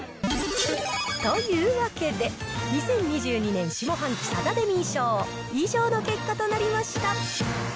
というわけで、２０２２年下半期サタデミー賞、以上の結果となりました。